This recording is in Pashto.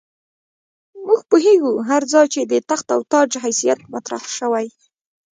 موږ پوهېږو هر ځای چې د تخت او تاج حیثیت مطرح شوی.